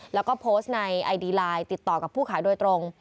แล้วก็โพสต์ในไอดีไลน์ติดต่อกับผู้ขายโดยตรง